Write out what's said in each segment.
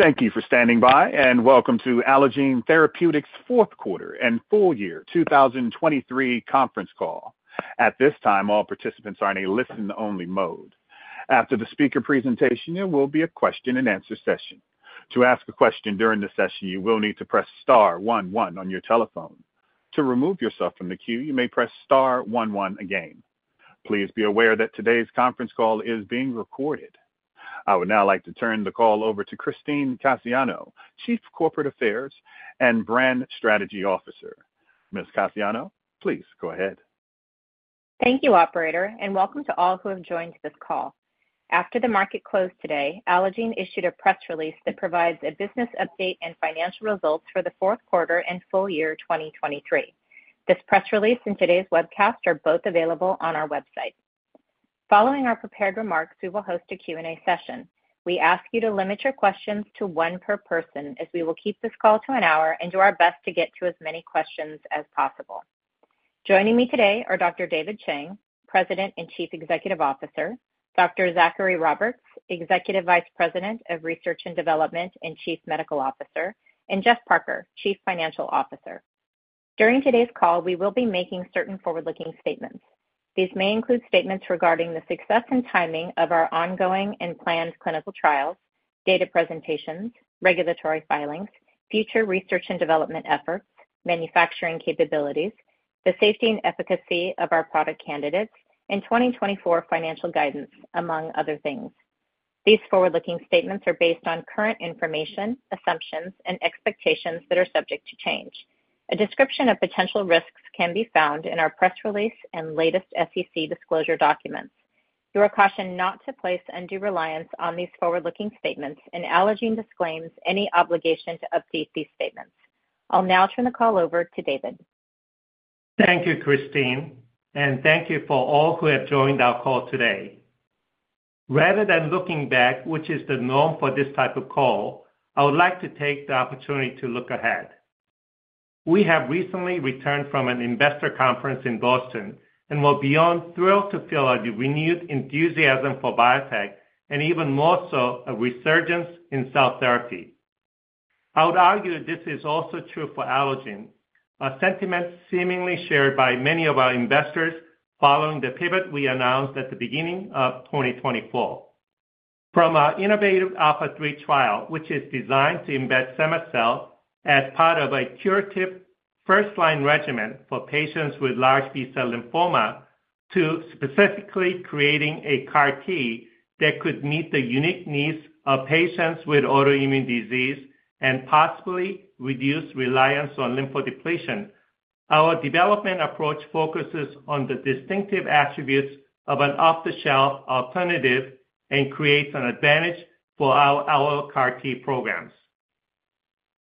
Thank you for standing by, and welcome to Allogene Therapeutics' Fourth Quarter and Full Year 2023 Conference Call. At this time, all participants are in a listen-only mode. After the speaker presentation, there will be a question-and-answer session. To ask a question during the session, you will need to press star one one on your telephone. To remove yourself from the queue, you may press star one one again. Please be aware that today's conference call is being recorded. I would now like to turn the call over to Christine Cassiano, Chief Corporate Affairs and Brand Strategy Officer. Ms. Cassiano, please go ahead. Thank you, operator, and welcome to all who have joined this call. After the market closed today, Allogene issued a press release that provides a business update and financial results for the fourth quarter and full year 2023. This press release and today's webcast are both available on our website. Following our prepared remarks, we will host a Q&A session. We ask you to limit your questions to one per person, as we will keep this call to an hour and do our best to get to as many questions as possible. Joining me today are Dr. David Chang, President and Chief Executive Officer; Dr. Zachary Roberts, Executive Vice President of Research and Development, and Chief Medical Officer; and Jeff Parker, Chief Financial Officer. During today's call, we will be making certain forward-looking statements. These may include statements regarding the success and timing of our ongoing and planned clinical trials, data presentations, regulatory filings, future research and development efforts, manufacturing capabilities, the safety and efficacy of our product candidates, and 2024 financial guidance, among other things. These forward-looking statements are based on current information, assumptions, and expectations that are subject to change. A description of potential risks can be found in our press release and latest SEC disclosure documents. You are cautioned not to place undue reliance on these forward-looking statements, and Allogene disclaims any obligation to update these statements. I'll now turn the call over to David. Thank you, Christine, and thank you for all who have joined our call today. Rather than looking back, which is the norm for this type of call, I would like to take the opportunity to look ahead. We have recently returned from an investor conference in Boston and were beyond thrilled to feel a renewed enthusiasm for biotech and even more so, a resurgence in cell therapy. I would argue that this is also true for Allogene, a sentiment seemingly shared by many of our investors following the pivot we announced at the beginning of 2024. From our innovative ALPHA3 trial, which is designed to embed cema-cel as part of a curative first-line regimen for patients with large B-cell lymphoma, to specifically creating a CAR T that could meet the unique needs of patients with autoimmune disease and possibly reduce reliance on lymphodepletion. Our development approach focuses on the distinctive attributes of an off-the-shelf alternative and creates an advantage for our AlloCAR T programs.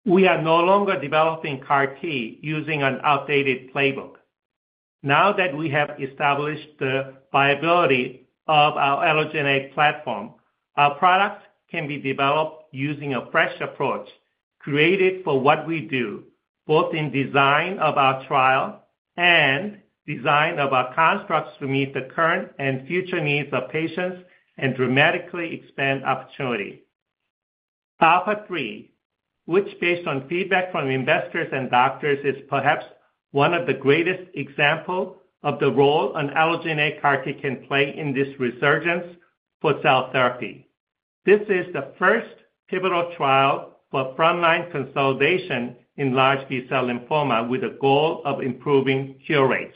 We are no longer developing CAR T using an outdated playbook. Now that we have established the viability of our allogeneic platform, our products can be developed using a fresh approach, created for what we do, both in design of our trial and design of our constructs to meet the current and future needs of patients and dramatically expand opportunity. ALPHA3, which based on feedback from investors and doctors, is perhaps one of the greatest example of the role an allogeneic CAR T can play in this resurgence for cell therapy. This is the first pivotal trial for frontline consolidation in large B-cell lymphoma with the goal of improving cure rates.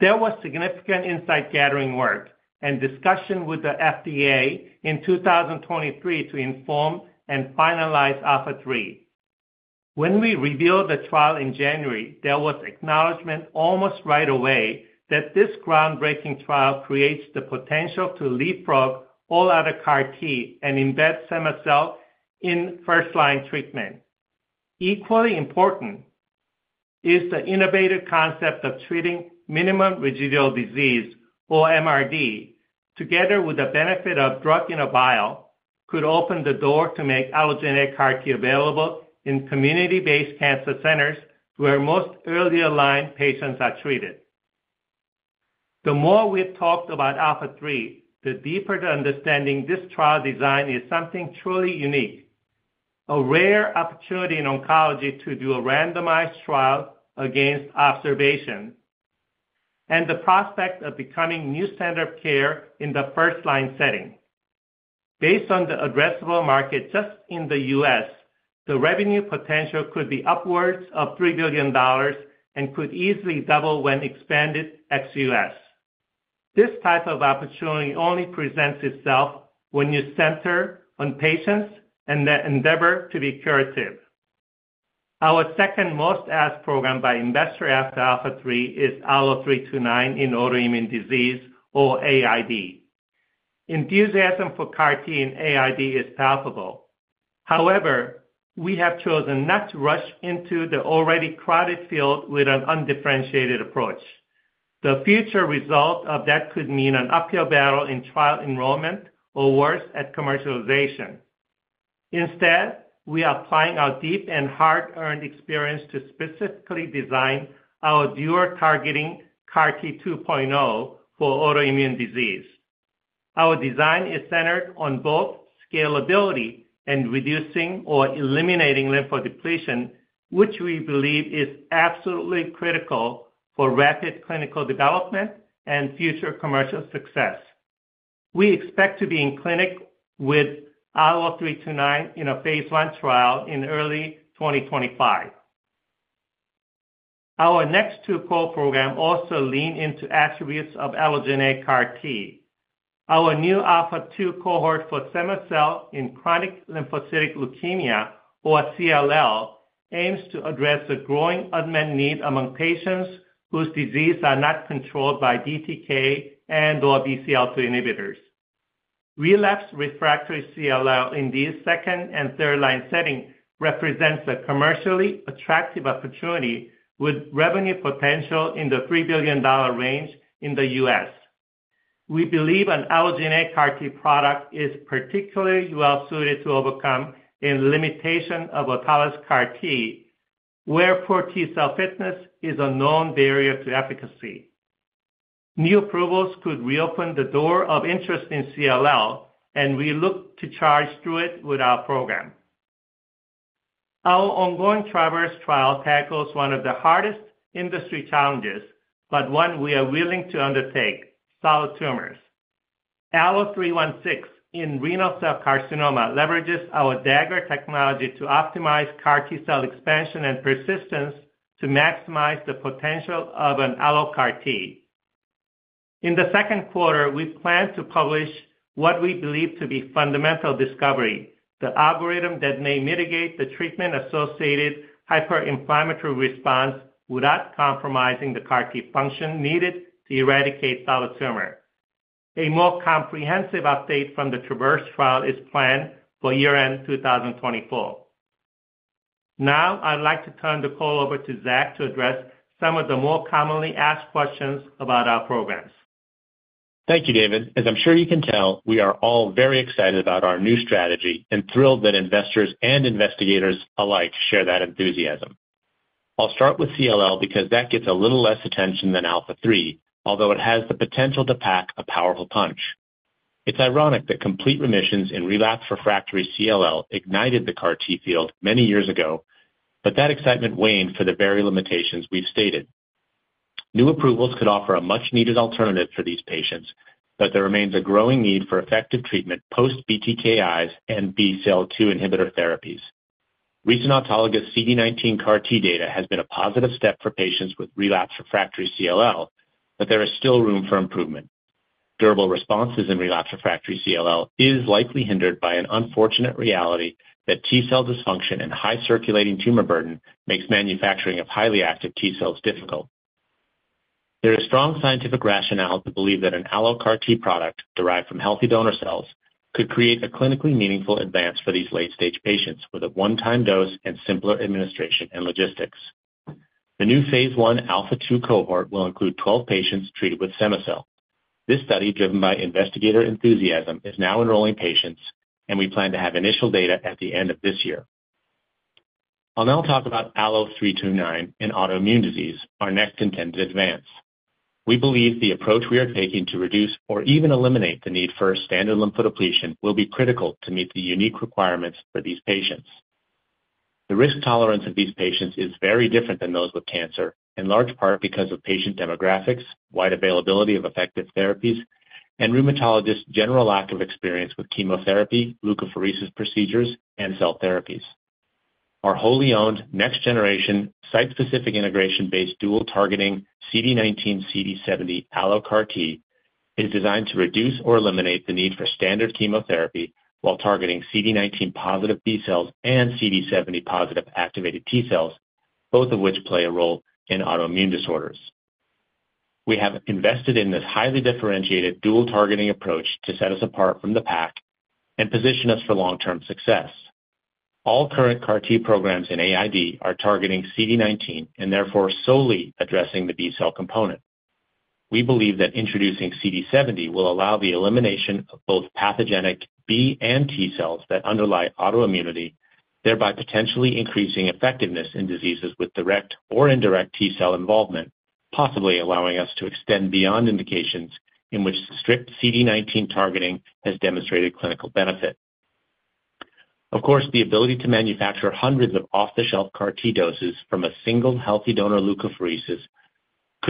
There was significant insight-gathering work and discussion with the FDA in 2023 to inform and finalize ALPHA3. When we revealed the trial in January, there was acknowledgment almost right away that this groundbreaking trial creates the potential to leapfrog all other CAR T and embed cema-cel in first-line treatment. Equally important is the innovative concept of treating minimal residual disease or MRD, together with the benefit of drug-in-a-vial, could open the door to make allogeneic CAR T available in community-based cancer centers, where most earlier-line patients are treated. The more we've talked about ALPHA3, the deeper the understanding, this trial design is something truly unique, a rare opportunity in oncology to do a randomized trial against observation and the prospect of becoming new standard of care in the first-line setting. Based on the addressable market just in the U.S., the revenue potential could be upwards of $3 billion and could easily double when expanded ex-U.S. This type of opportunity only presents itself when you center on patients and their endeavor to be curative. Our second most asked program by investors after ALPHA3 is ALLO-329 in autoimmune disease or AID. Enthusiasm for CAR T in AID is palpable. However, we have chosen not to rush into the already crowded field with an undifferentiated approach. The future result of that could mean an uphill battle in trial enrollment or worse, at commercialization. Instead, we are applying our deep and hard-earned experience to specifically design our dual targeting CAR T 2.0 for autoimmune disease. Our design is centered on both scalability and reducing or eliminating lymphodepletion, which we believe is absolutely critical for rapid clinical development and future commercial success. We expect to be in clinic with ALLO-329 in a phase 1 trial in early 2025. Our next two core program also lean into attributes of allogeneic CAR-T. Our new ALPHA2 cohort for cema-cel in chronic lymphocytic leukemia, or CLL, aims to address a growing unmet need among patients whose disease are not controlled by BTK and/or BCL-2 inhibitors. Relapsed refractory CLL in these second and third-line setting represents a commercially attractive opportunity with revenue potential in the $3 billion range in the U.S. We believe an allogeneic CAR-T product is particularly well suited to overcome a limitation of autologous CAR-T, where poor T cell fitness is a known barrier to efficacy. New approvals could reopen the door of interest in CLL, and we look to charge through it with our program. Our ongoing TRAVERSE trial tackles one of the hardest industry challenges, but one we are willing to undertake, solid tumors. ALLO-316 in renal cell carcinoma leverages our Dagger technology to optimize CAR T cell expansion and persistence to maximize the potential of an AlloCAR T. In the second quarter, we plan to publish what we believe to be fundamental discovery, the algorithm that may mitigate the treatment-associated hyperinflammatory response without compromising the CAR-T function needed to eradicate solid tumor. A more comprehensive update from the TRAVERSE trial is planned for year-end 2024. Now, I'd like to turn the call over to Zach to address some of the more commonly asked questions about our programs. Thank you, David. As I'm sure you can tell, we are all very excited about our new strategy and thrilled that investors and investigators alike share that enthusiasm. I'll start with CLL because that gets a little less attention than ALPHA3, although it has the potential to pack a powerful punch. It's ironic that complete remissions in relapsed/refractory CLL ignited the CAR-T field many years ago, but that excitement waned for the very limitations we've stated. New approvals could offer a much-needed alternative for these patients, but there remains a growing need for effective treatment post-BTKIs and BCL-2 inhibitor therapies. Recent autologous CD19 CAR-T data has been a positive step for patients with relapsed/refractory CLL, but there is still room for improvement. Durable responses in relapsed/refractory CLL is likely hindered by an unfortunate reality that T-cell dysfunction and high circulating tumor burden makes manufacturing of highly active T-cells difficult. There is strong scientific rationale to believe that an AlloCAR T product derived from healthy donor cells could create a clinically meaningful advance for these late-stage patients, with a one-time dose and simpler administration and logistics. The new Phase 1 ALPHA2 cohort will include 12 patients treated with cema-cel. This study, driven by investigator enthusiasm, is now enrolling patients, and we plan to have initial data at the end of this year. I'll now talk about ALLO-329 in autoimmune disease, our next intended advance. We believe the approach we are taking to reduce or even eliminate the need for standard lymphodepletion will be critical to meet the unique requirements for these patients. The risk tolerance of these patients is very different than those with cancer, in large part because of patient demographics, wide availability of effective therapies, and rheumatologists' general lack of experience with chemotherapy, leukapheresis procedures, and cell therapies. Our wholly owned, next-generation, site-specific integration-based, dual targeting CD19, CD70 AlloCAR T is designed to reduce or eliminate the need for standard chemotherapy while targeting CD19-positive B cells and CD70 positive activated T cells, both of which play a role in autoimmune disorders. We have invested in this highly differentiated dual targeting approach to set us apart from the pack and position us for long-term success. All current CAR-T programs in AID are targeting CD19, and therefore solely addressing the B-cell component. We believe that introducing CD70 will allow the elimination of both pathogenic B and T cells that underlie autoimmunity, thereby potentially increasing effectiveness in diseases with direct or indirect T-cell involvement, possibly allowing us to extend beyond indications in which strict CD19 targeting has demonstrated clinical benefit. Of course, the ability to manufacture hundreds of off-the-shelf CAR-T doses from a single healthy donor leukapheresis could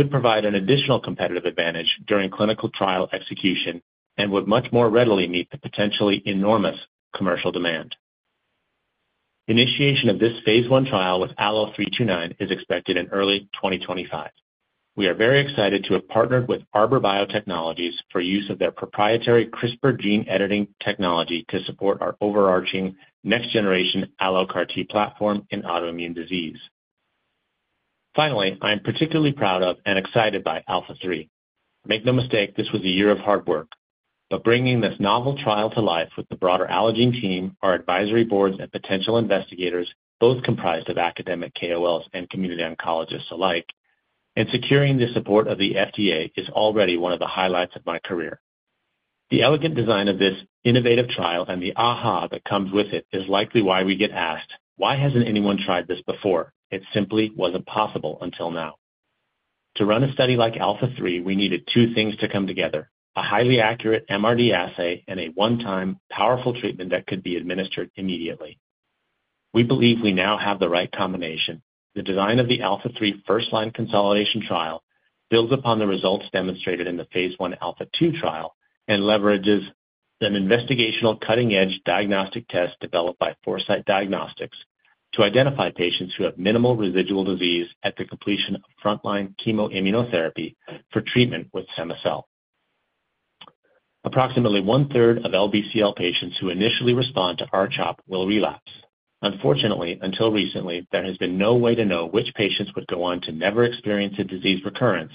provide an additional competitive advantage during clinical trial execution and would much more readily meet the potentially enormous commercial demand. Initiation of this Phase 1 trial with ALLO-329 is expected in early 2025. We are very excited to have partnered with Arbor Biotechnologies for use of their proprietary CRISPR gene editing technology to support our overarching next-generation AlloCAR T platform in autoimmune disease. Finally, I am particularly proud of and excited by ALPHA3. Make no mistake, this was a year of hard work, but bringing this novel trial to life with the broader Allogene team, our advisory boards and potential investigators, both comprised of academic KOLs and community oncologists alike and securing the support of the FDA is already one of the highlights of my career. The elegant design of this innovative trial and the aha that comes with it is likely why we get asked, "Why hasn't anyone tried this before?" It simply wasn't possible until now. To run a study like ALPHA3, we needed two things to come together: a highly accurate MRD assay and a one-time powerful treatment that could be administered immediately. We believe we now have the right combination. The design of the ALPHA3 first-line consolidation trial builds upon the results demonstrated in the phase 1 ALPHA2 trial, and leverages an investigational cutting-edge diagnostic test developed by Foresight Diagnostics, to identify patients who have minimal residual disease at the completion of frontline chemo immunotherapy for treatment with cema-cel. Approximately one-third of LBCL patients who initially respond to R-CHOP will relapse. Unfortunately, until recently, there has been no way to know which patients would go on to never experience a disease recurrence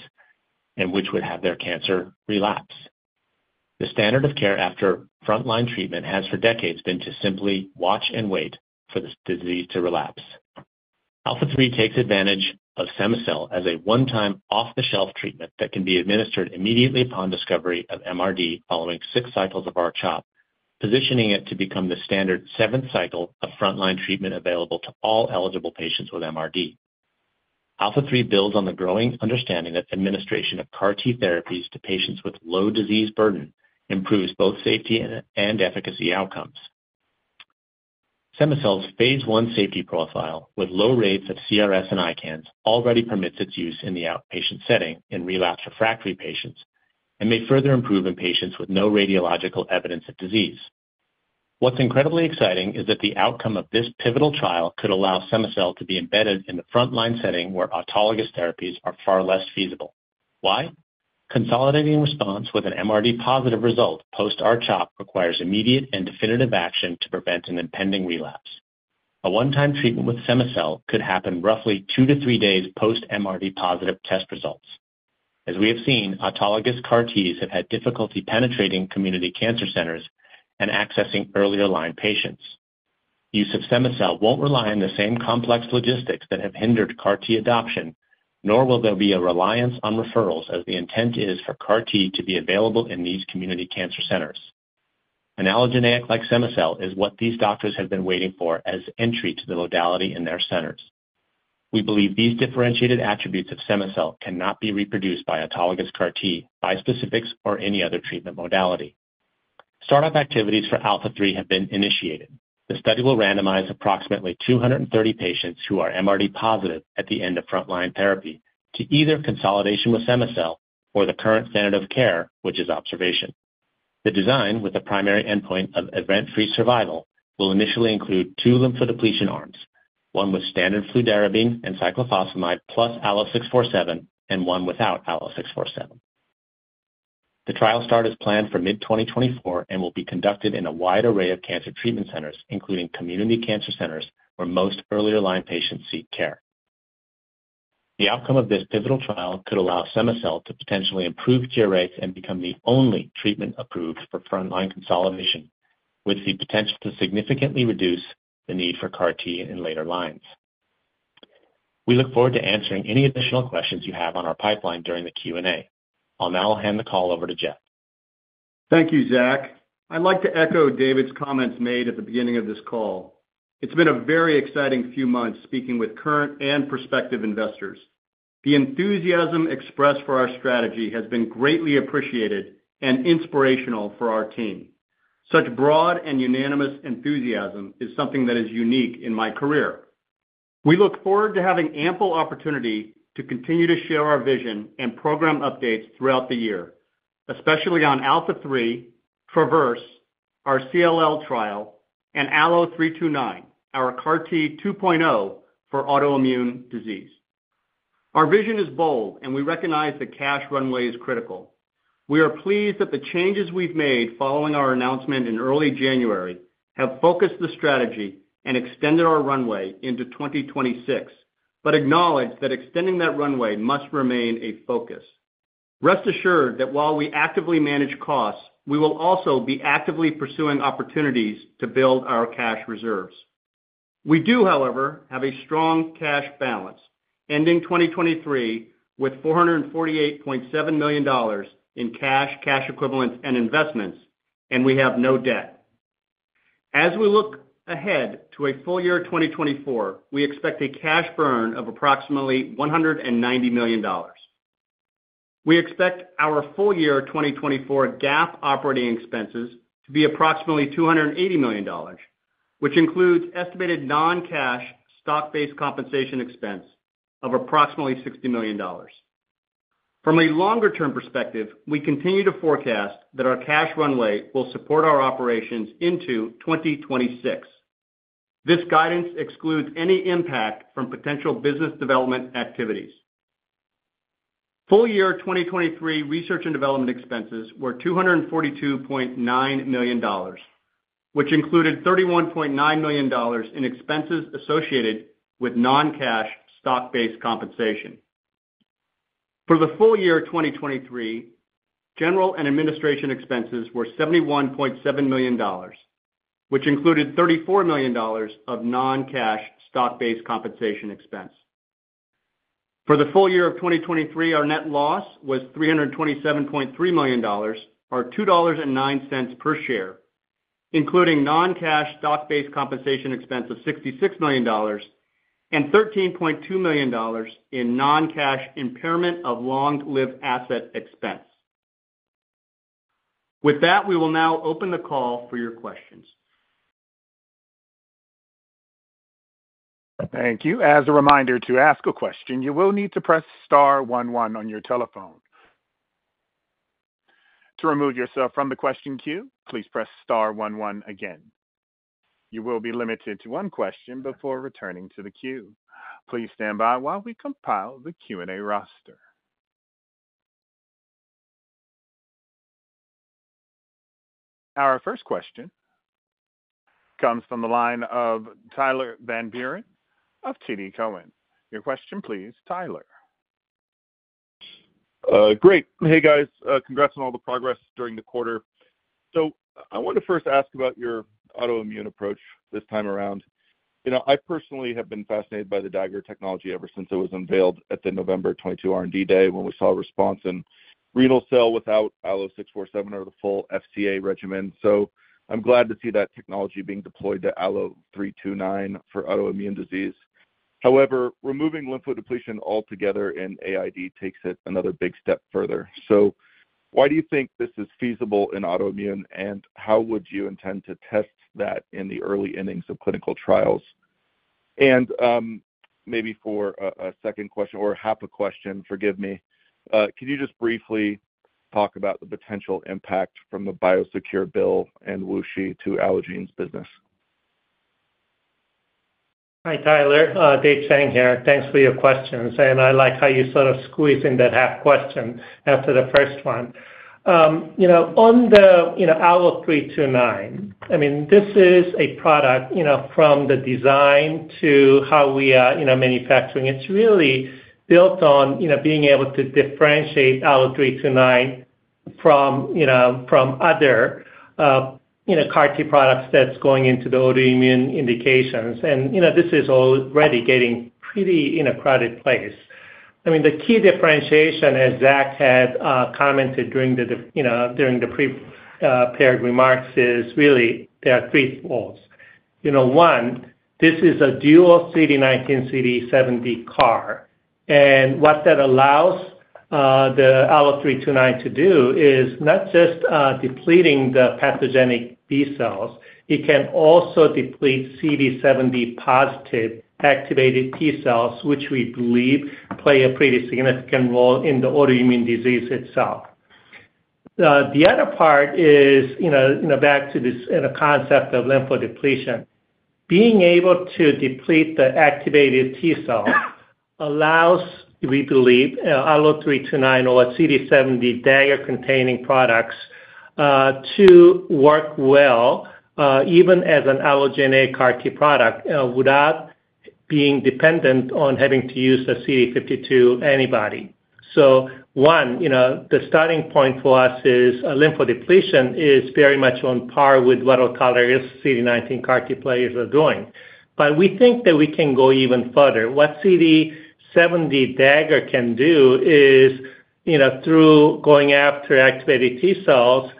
and which would have their cancer relapse. The standard of care after frontline treatment has, for decades, been to simply watch and wait for this disease to relapse. ALPHA3 takes advantage of cema-cel as a one-time, off-the-shelf treatment that can be administered immediately upon discovery of MRD, following 6 cycles of R-CHOP, positioning it to become the standard seventh cycle of frontline treatment available to all eligible patients with MRD. ALPHA3 builds on the growing understanding that administration of CAR T therapies to patients with low disease burden improves both safety and efficacy outcomes. Cema-cel's phase 1 safety profile, with low rates of CRS and ICANS, already permits its use in the outpatient setting in relapsed/refractory patients, and may further improve in patients with no radiological evidence of disease. What's incredibly exciting is that the outcome of this pivotal trial could allow cema-cel to be embedded in the frontline setting, where autologous therapies are far less feasible. Why? Consolidating response with an MRD positive result post R-CHOP requires immediate and definitive action to prevent an impending relapse. A one-time treatment with cema-cel could happen roughly 2-3 days post MRD positive test results. As we have seen, autologous CAR-Ts have had difficulty penetrating community cancer centers and accessing earlier line patients. Use of cema-cel won't rely on the same complex logistics that have hindered CAR-T adoption, nor will there be a reliance on referrals, as the intent is for CAR-T to be available in these community cancer centers. An allogeneic like cema-cel is what these doctors have been waiting for as entry to the modality in their centers. We believe these differentiated attributes of cema-cel cannot be reproduced by autologous CAR-T, bispecifics, or any other treatment modality. Startup activities for ALPHA3 have been initiated. The study will randomize approximately 230 patients who are MRD positive at the end of frontline therapy, to either consolidation with cema-cel or the current standard of care, which is observation. The design, with the primary endpoint of event-free survival, will initially include two lymphodepletion arms, one with standard fludarabine and cyclophosphamide plus ALLO-647, and one without ALLO-647. The trial start is planned for mid-2024 and will be conducted in a wide array of cancer treatment centers, including community cancer centers, where most earlier line patients seek care. The outcome of this pivotal trial could allow cema-cel to potentially improve cure rates and become the only treatment approved for frontline consolidation, with the potential to significantly reduce the need for CAR-T in later lines. We look forward to answering any additional questions you have on our pipeline during the Q&A. I'll now hand the call over to Jeff. Thank you, Zach. I'd like to echo David's comments made at the beginning of this call. It's been a very exciting few months speaking with current and prospective investors. The enthusiasm expressed for our strategy has been greatly appreciated and inspirational for our team. Such broad and unanimous enthusiasm is something that is unique in my career. We look forward to having ample opportunity to continue to share our vision and program updates throughout the year, especially on ALPHA3, TRAVERSE, our CLL trial, and ALLO-329, our CAR T 2.0 for autoimmune disease. Our vision is bold, and we recognize that cash runway is critical. We are pleased that the changes we've made following our announcement in early January have focused the strategy and extended our runway into 2026, but acknowledge that extending that runway must remain a focus. Rest assured that while we actively manage costs, we will also be actively pursuing opportunities to build our cash reserves. We do, however, have a strong cash balance, ending 2023 with $448.7 million in cash, cash equivalents, and investments, and we have no debt. As we look ahead to a full year 2024, we expect a cash burn of approximately $190 million. We expect our full year 2024 GAAP operating expenses to be approximately $280 million, which includes estimated non-cash stock-based compensation expense of approximately $60 million. From a longer-term perspective, we continue to forecast that our cash runway will support our operations into 2026. This guidance excludes any impact from potential business development activities. Full year 2023 research and development expenses were $242.9 million, which included $31.9 million in expenses associated with non-cash stock-based compensation. For the full year 2023, general and administration expenses were $71.7 million, which included $34 million of non-cash stock-based compensation expense. For the full year of 2023, our net loss was $327.3 million, or $2.09 per share, including non-cash stock-based compensation expense of $66 million and $13.2 million in non-cash impairment of long-lived asset expense. With that, we will now open the call for your questions. Thank you. As a reminder, to ask a question, you will need to press star one one on your telephone. To remove yourself from the question queue, please press star one one again. You will be limited to one question before returning to the queue. Please stand by while we compile the Q&A roster. Our first question comes from the line of Tyler Van Buren of TD Cowen. Your question, please, Tyler. Great. Hey, guys. Congrats on all the progress during the quarter. So I want to first ask about your autoimmune approach this time around. You know, I personally have been fascinated by the Dagger technology ever since it was unveiled at the November 2022 R&D day, when we saw a response in renal cell without ALLO-647 or the full FCA regimen. So I'm glad to see that technology being deployed to ALLO-329 for autoimmune disease. However, removing lymphodepletion altogether in AID takes it another big step further. So why do you think this is feasible in autoimmune, and how would you intend to test that in the early innings of clinical trials? Maybe for a second question or half a question, forgive me, can you just briefly talk about the potential impact from the Biosecure Bill and WuXi to Allogene's business? Hi, Tyler, Dave Chang here. Thanks for your questions, and I like how you sort of squeeze in that half question after the first one. You know, on the ALLO-329, I mean, this is a product, you know, from the design to how we are, you know, manufacturing. It's really built on, you know, being able to differentiate ALLO-329 from, you know, from other CAR T products that's going into the autoimmune indications. And, you know, this is already getting pretty in a crowded place. I mean, the key differentiation, as Zach had commented during the, you know, during the prepared remarks, is really there are three roles. You know, one, this is a dual CD19, CD70 CAR, and what that allows the ALLO-329 to do is not just depleting the pathogenic B cells. It can also deplete CD70-positive activated T cells, which we believe play a pretty significant role in the autoimmune disease itself. The other part is, you know, you know, back to this, you know, concept of lymphodepletion. Being able to deplete the activated T cell allows, we believe, ALLO-329 or a CD70 Dagger-containing products to work well even as an allogeneic CAR T product without being dependent on having to use a CD52 antibody. So one, you know, the starting point for us is lymphodepletion is very much on par with what our colleagues, CD19 CAR T players are doing. But we think that we can go even further. What CD70 Dagger can do is, you know, through going after activated T cells,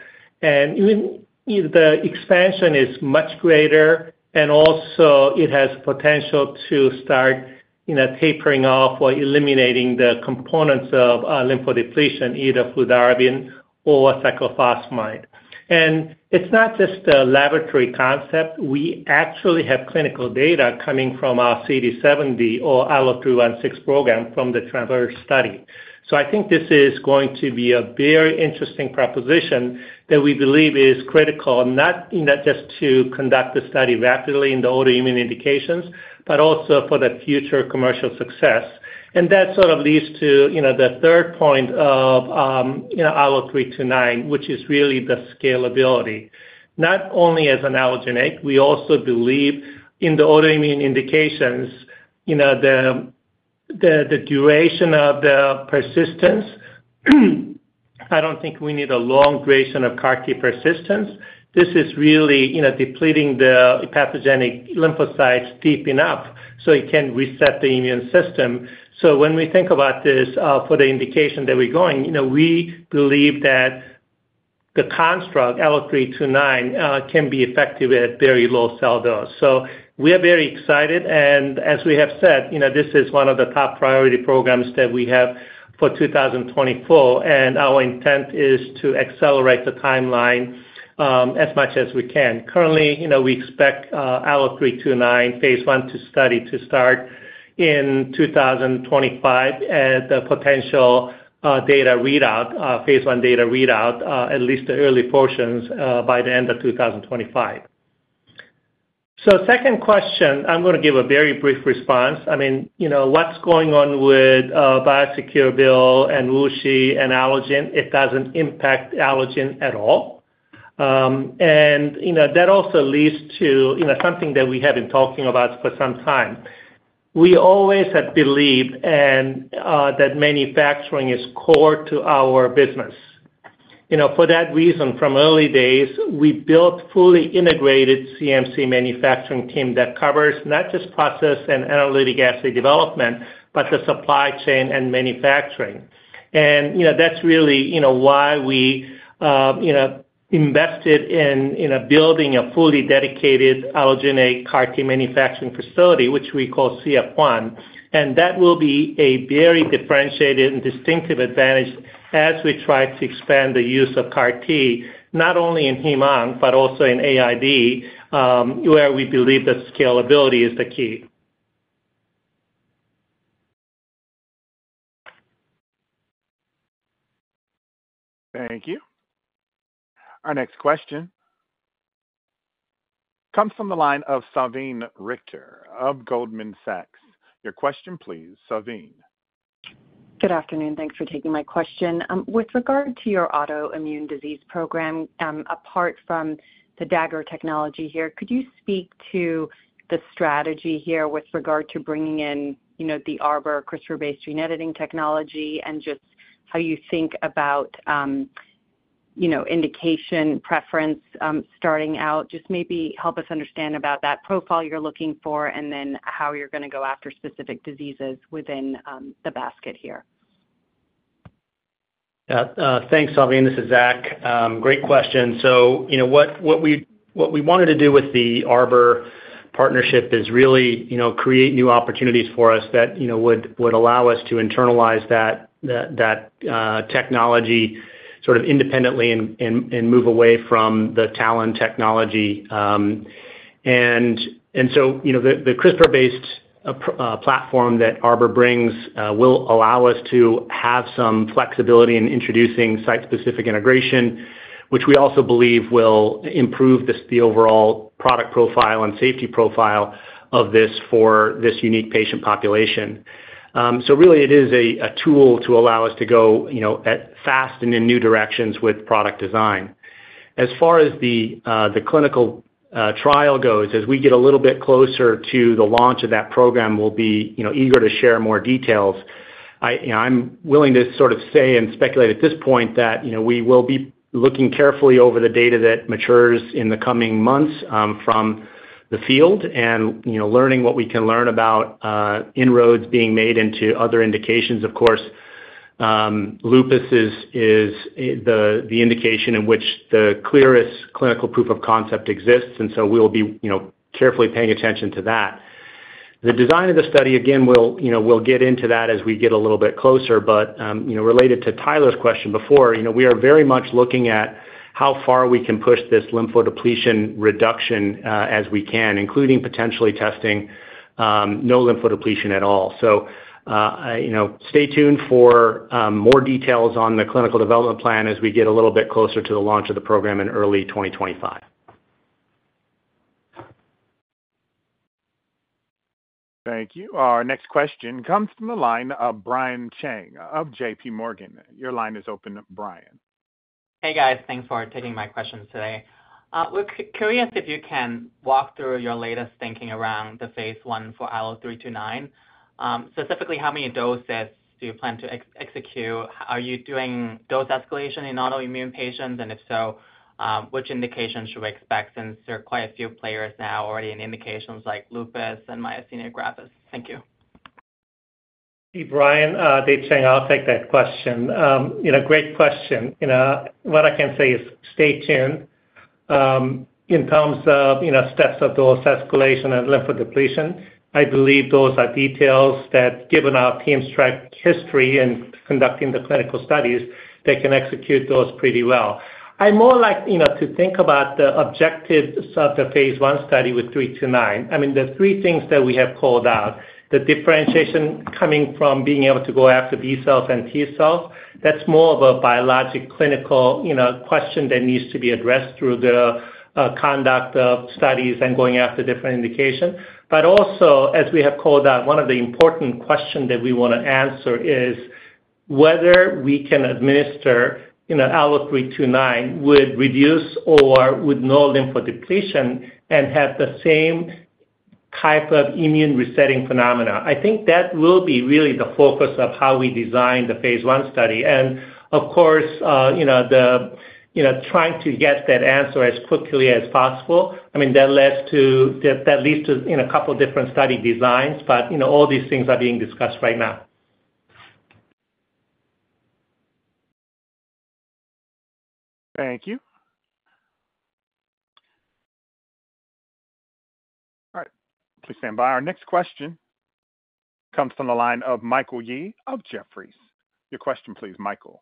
and even if the expansion is much greater and also it has potential to start, you know, tapering off or eliminating the components of, lymphodepletion, either fludarabine or cyclophosphamide. And it's not just a laboratory concept. We actually have clinical data coming from our CD70 or ALLO-316 program from the TRAVERSE study. So I think this is going to be a very interesting proposition that we believe is critical, not, you know, just to conduct the study rapidly in the autoimmune indications, but also for the future commercial success. And that sort of leads to, you know, the third point of, you know, ALLO-329, which is really the scalability, not only as an allogeneic, we also believe in the autoimmune indications, you know, the, the, the duration of the persistence. I don't think we need a long duration of CAR T persistence. This is really, you know, depleting the pathogenic lymphocytes deep enough so it can reset the immune system. So when we think about this, for the indication that we're going, you know, we believe that the construct ALLO-329 can be effective at very low cell dose. So we are very excited, and as we have said, you know, this is one of the top priority programs that we have for 2024, and our intent is to accelerate the timeline, as much as we can. Currently, you know, we expect ALLO-329 phase 1 study to start in 2025, and the potential data readout, phase 1 data readout, at least the early portions, by the end of 2025. So second question, I'm gonna give a very brief response. I mean, you know, what's going on with Biosecure Bill and WuXi and Allogene? It doesn't impact Allogene at all. And, you know, that also leads to, you know, something that we have been talking about for some time. We always have believed and that manufacturing is core to our business. You know, for that reason, from early days, we built fully integrated CMC manufacturing team that covers not just process and analytic assay development, but the supply chain and manufacturing. you know, that's really, you know, why we, you know, invested in building a fully dedicated allogeneic CAR T manufacturing facility, which we call CF1. That will be a very differentiated and distinctive advantage as we try to expand the use of CAR T, not only in heme, but also in AID, where we believe that scalability is the key. Thank you. Our next question comes from the line of Salveen Richter of Goldman Sachs. Your question please, Salveen. Good afternoon. Thanks for taking my question. With regard to your autoimmune disease program, apart from the Dagger technology here, could you speak to the strategy here with regard to bringing in, you know, the Arbor CRISPR-based gene editing technology and just how you think about, you know, indication, preference, starting out? Just maybe help us understand about that profile you're looking for, and then how you're gonna go after specific diseases within, the basket here. Yeah, thanks, Salveen. This is Zach. Great question. So, you know, what we wanted to do with the Arbor partnership is really, you know, create new opportunities for us that, you know, would allow us to internalize that technology sort of independently and move away from the TALEN technology. And so, you know, the CRISPR-based platform that Arbor brings will allow us to have some flexibility in introducing site-specific integration, which we also believe will improve the overall product profile and safety profile of this for this unique patient population. So really it is a tool to allow us to go, you know, fast and in new directions with product design. As far as the clinical trial goes, as we get a little bit closer to the launch of that program, we'll be, you know, eager to share more details. I, you know, I'm willing to sort of say and speculate at this point that, you know, we will be looking carefully over the data that matures in the coming months, from the field and, you know, learning what we can learn about inroads being made into other indications. Of course, lupus is the indication in which the clearest clinical proof of concept exists, and so we'll be, you know, carefully paying attention to that. The design of the study, again, we'll, you know, we'll get into that as we get a little bit closer, but, you know, related to Tyler's question before, you know, we are very much looking at how far we can push this lymphodepletion reduction, as we can, including potentially testing, no lymphodepletion at all. So, you know, stay tuned for, more details on the clinical development plan as we get a little bit closer to the launch of the program in early 2025. Thank you. Our next question comes from the line of Brian Cheng of J.P. Morgan. Your line is open, Brian. Hey, guys. Thanks for taking my questions today. We're curious if you can walk through your latest thinking around the phase 1 for ALLO-329. Specifically, how many doses do you plan to execute? Are you doing dose escalation in autoimmune patients? And if so, which indications should we expect, since there are quite a few players now already in indications like lupus and myasthenia gravis? Thank you. Hey, Brian, David Chang, I'll take that question. You know, great question. You know, what I can say is stay tuned. In terms of, you know, steps of dose escalation and lymphodepletion, I believe those are details that, given our team's track history in conducting the clinical studies, they can execute those pretty well. I more like, you know, to think about the objectives of the phase 1 study with 329. I mean, the three things that we have called out, the differentiation coming from being able to go after B cells and T cells, that's more of a biologic, clinical, you know, question that needs to be addressed through the conduct of studies and going after different indications. But also, as we have called out, one of the important question that we wanna answer is whether we can administer, you know, ALLO-329 with reduced or with no lymphodepletion and have the same type of immune resetting phenomena. I think that will be really the focus of how we design the phase one study. And of course, you know, the, you know, trying to get that answer as quickly as possible, I mean, that leads to- that, that leads to, you know, a couple different study designs, but, you know, all these things are being discussed right now. Thank you. All right, please stand by. Our next question comes from the line of Michael Yee of Jefferies. Your question, please, Michael.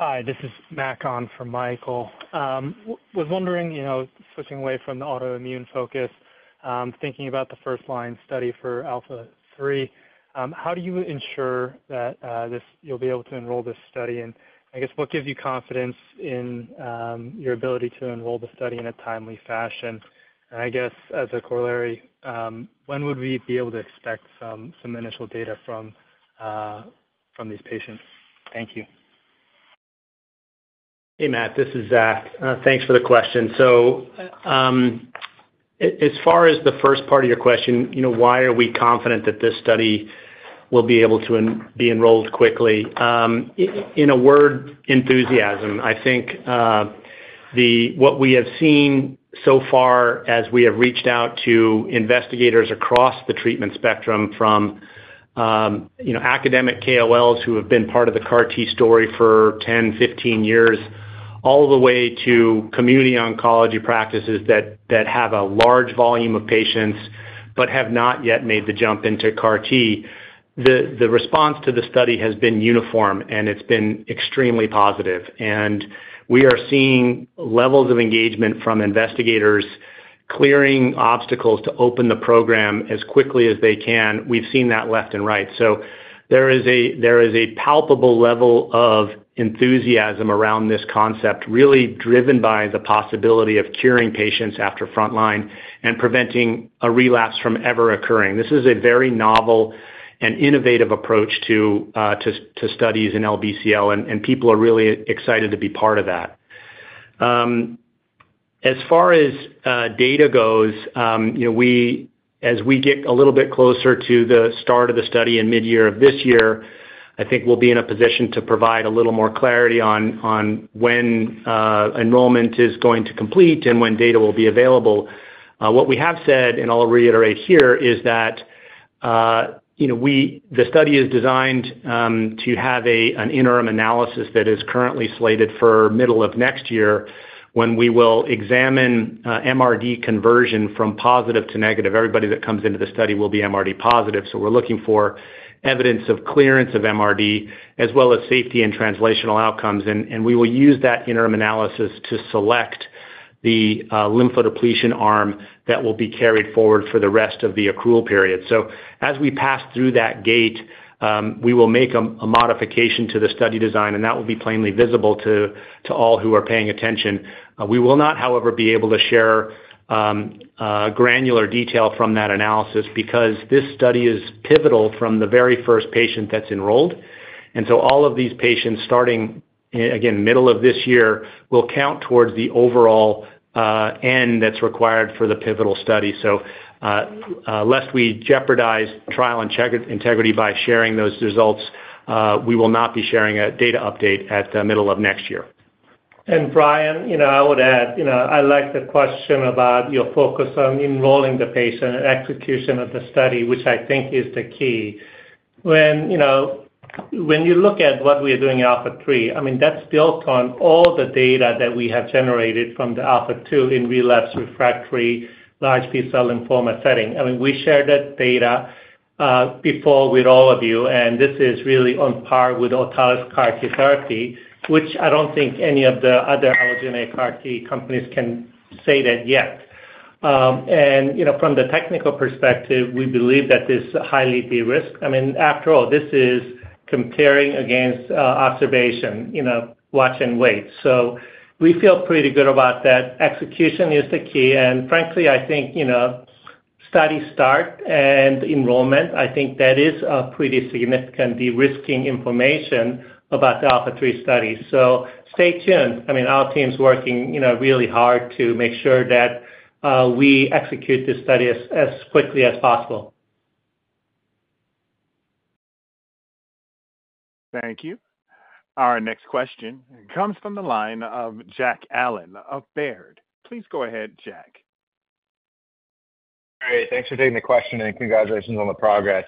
Hi, this is Mack on from Michael. Was wondering, you know, switching away from the autoimmune focus, thinking about the first line study for ALPHA3, how do you ensure that, this, you'll be able to enroll this study? And I guess, what gives you confidence in, your ability to enroll the study in a timely fashion? And I guess, as a corollary, when would we be able to expect some initial data from these patients? Thank you. Hey, Matt, this is Zach. Thanks for the question. So, as far as the first part of your question, you know, why are we confident that this study will be able to be enrolled quickly? In a word, enthusiasm. I think, what we have seen so far as we have reached out to investigators across the treatment spectrum from, you know, academic KOLs, who have been part of the CAR T story for 10, 15 years, all the way to community oncology practices that have a large volume of patients, but have not yet made the jump into CAR T. The response to the study has been uniform, and it's been extremely positive. We are seeing levels of engagement from investigators, clearing obstacles to open the program as quickly as they can. We've seen that left and right. So there is a palpable level of enthusiasm around this concept, really driven by the possibility of curing patients after frontline and preventing a relapse from ever occurring. This is a very novel and innovative approach to studies in LBCL, and people are really excited to be part of that. As far as data goes, you know, as we get a little bit closer to the start of the study in mid-year of this year, I think we'll be in a position to provide a little more clarity on when enrollment is going to complete and when data will be available. What we have said, and I'll reiterate here, is that, you know, the study is designed to have an interim analysis that is currently slated for middle of next year, when we will examine MRD conversion from positive to negative. Everybody that comes into the study will be MRD positive, so we're looking for evidence of clearance of MRD, as well as safety and translational outcomes. And we will use that interim analysis to select the lymphodepletion arm that will be carried forward for the rest of the accrual period. So as we pass through that gate, we will make a modification to the study design, and that will be plainly visible to all who are paying attention. We will not, however, be able to share granular detail from that analysis because this study is pivotal from the very first patient that's enrolled. So all of these patients, starting again, middle of this year, will count towards the overall N that's required for the pivotal study. So, lest we jeopardize trial and data integrity by sharing those results, we will not be sharing a data update at the middle of next year. And Brian, you know, I would add, you know, I like the question about your focus on enrolling the patient and execution of the study, which I think is the key. When, you know, when you look at what we are doing in ALPHA3, I mean, that's built on all the data that we have generated from the ALPHA2 in relapsed/refractory large B-cell lymphoma setting. I mean, we shared that data before with all of you, and this is really on par with autologous CAR T therapy, which I don't think any of the other allogeneic CAR T companies can say that yet. And, you know, from the technical perspective, we believe that this is highly de-risked. I mean, after all, this is comparing against observation, you know, watch and wait. So we feel pretty good about that. Execution is the key, and frankly, I think, you know, study start and enrollment, I think that is a pretty significant de-risking information about the ALPHA3 study. So stay tuned. I mean, our team's working, you know, really hard to make sure that we execute this study as quickly as possible. Thank you. Our next question comes from the line of Jack Allen of Baird. Please go ahead, Jack. Great, thanks for taking the question, and congratulations on the progress.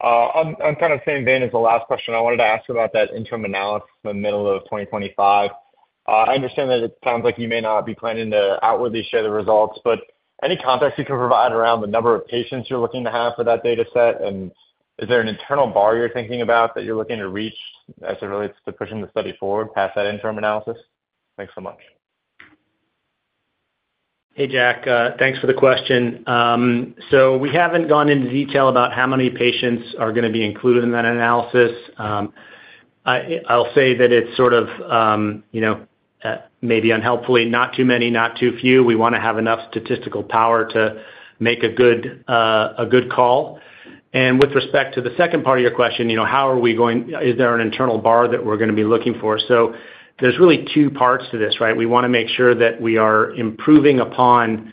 I'm kind of same vein as the last question. I wanted to ask about that interim analysis in the middle of 2025. I understand that it sounds like you may not be planning to outwardly share the results, but any context you can provide around the number of patients you're looking to have for that data set? And is there an internal bar you're thinking about that you're looking to reach as it relates to pushing the study forward past that interim analysis? Thanks so much. Hey, Jack, thanks for the question. So we haven’t gone into detail about how many patients are gonna be included in that analysis. I’ll say that it’s sort of, you know, maybe unhelpfully, not too many, not too few. We want to have enough statistical power to make a good call. And with respect to the second part of your question, you know, how are we going—is there an internal bar that we’re gonna be looking for? So there’s really two parts to this, right? We wanna make sure that we are improving upon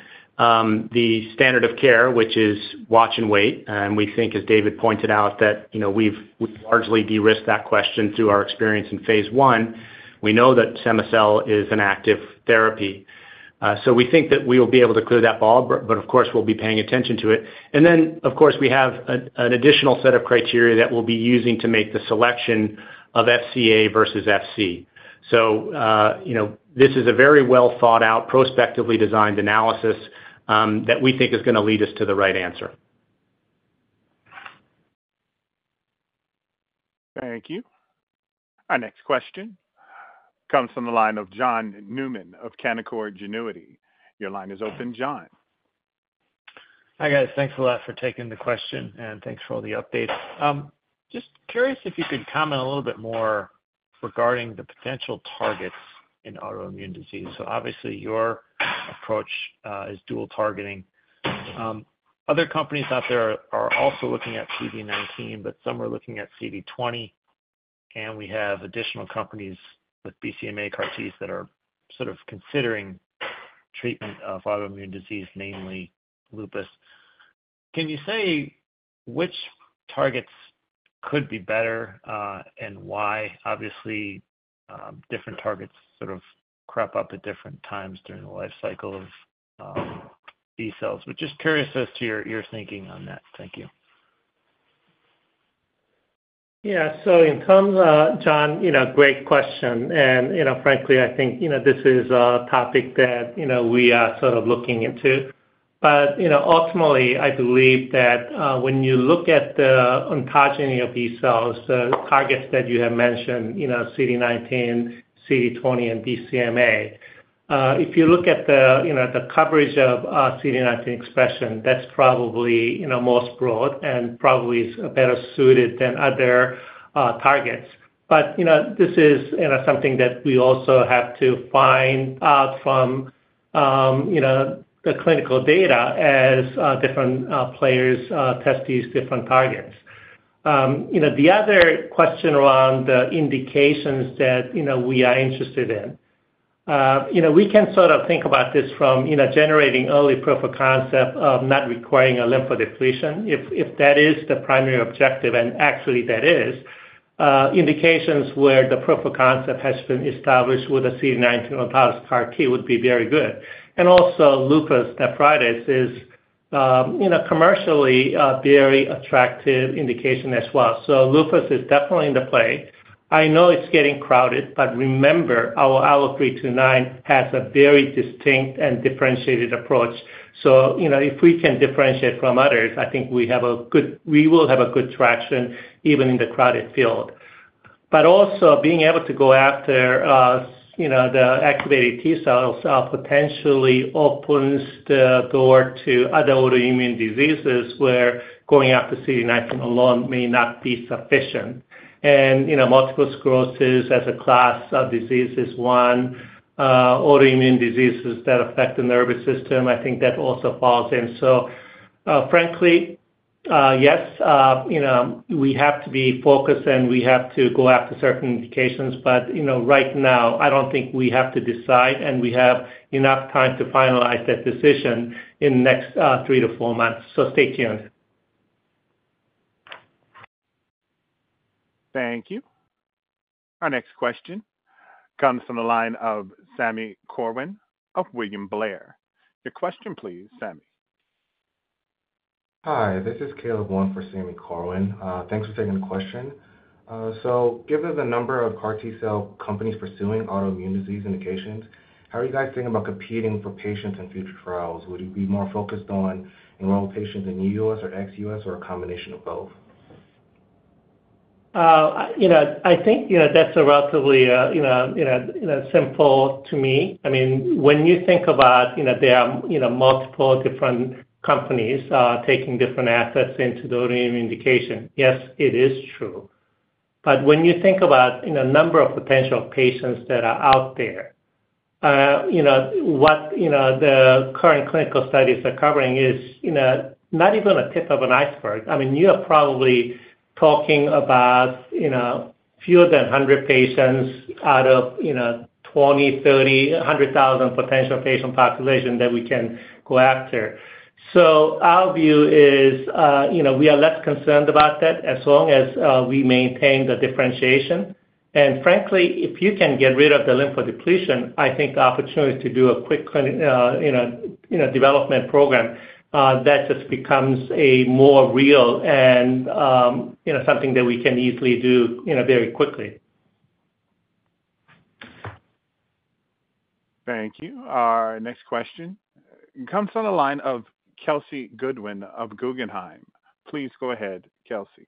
the standard of care, which is watch and wait. And we think, as David pointed out, that, you know, we’ve largely de-risked that question through our experience in phase 1. We know that cema-cel is an active therapy. So we think that we will be able to clear that bar, but of course, we'll be paying attention to it. And then, of course, we have an additional set of criteria that we'll be using to make the selection of FCA versus FC. So, you know, this is a very well thought out, prospectively designed analysis, that we think is gonna lead us to the right answer. Thank you. Our next question comes from the line of John Newman of Canaccord Genuity. Your line is open, John. Hi, guys. Thanks a lot for taking the question, and thanks for all the updates. Just curious if you could comment a little bit more regarding the potential targets in autoimmune disease. So obviously, your approach, is dual targeting. Other companies out there are also looking at CD19, but some are looking at CD20, and we have additional companies with BCMA CAR Ts that are sort of considering treatment of autoimmune disease, namely lupus. Can you say which targets could be better, and why? Obviously, different targets sort of crop up at different times during the life cycle of B cells, but just curious as to your thinking on that. Thank you. Yeah. So in terms of, John, you know, great question, and, you know, frankly, I think, you know, this is a topic that, you know, we are sort of looking into. But, you know, ultimately, I believe that when you look at the ontogeny of these cells, the targets that you have mentioned, you know, CD19, CD20, and BCMA. If you look at the, you know, the coverage of CD19 expression, that's probably, you know, most broad and probably is better suited than other targets. But, you know, this is, you know, something that we also have to find out from, you know, the clinical data as different players test these different targets. You know, the other question around the indications that, you know, we are interested in. You know, we can sort of think about this from, you know, generating early proof of concept of not requiring a lymphodepletion, if that is the primary objective, and actually that is. Indications where the proof of concept has been established with a CD19 autologous CAR T would be very good. Also lupus nephritis is, you know, commercially, a very attractive indication as well. So lupus is definitely in the play. I know it's getting crowded, but remember, our ALLO-329 has a very distinct and differentiated approach. So you know, if we can differentiate from others, I think we will have a good traction even in the crowded field. Also being able to go after, you know, the activated T cells, potentially opens the door to other autoimmune diseases, where going after CD19 alone may not be sufficient. You know, multiple sclerosis as a class of disease is one, autoimmune diseases that affect the nervous system, I think that also falls in. Frankly, yes, you know, we have to be focused, and we have to go after certain indications. You know, right now, I don't think we have to decide, and we have enough time to finalize that decision in the next, 3-4 months, so stay tuned. Thank you. Our next question comes from the line of Sami Corwin of William Blair. Your question, please, Sami. Hi, this is Caleb Wong for Sami Corwin. Thanks for taking the question. So given the number of CAR T cell companies pursuing autoimmune disease indications, how are you guys thinking about competing for patients in future trials? Would you be more focused on enrolling patients in U.S. or ex-U.S., or a combination of both? You know, I think, you know, that's a relatively, you know, you know, you know, simple to me. I mean, when you think about, you know, there are, you know, multiple different companies, taking different assets into the autoimmune indication, yes, it is true. But when you think about in a number of potential patients that are out there, you know, what, you know, the current clinical studies are covering is, you know, not even a tip of an iceberg. I mean, you are probably talking about, you know, fewer than 100 patients out of, you know, 20, 30, 100,000 potential patient population that we can go after. So our view is, you know, we are less concerned about that as long as, we maintain the differentiation. And frankly, if you can get rid of the lymphodepletion, I think the opportunity to do a quick clinical, you know, you know, development program, that just becomes a more real and, you know, something that we can easily do, you know, very quickly. Thank you. Our next question comes from the line of Kelsey Goodwin of Guggenheim. Please go ahead, Kelsey.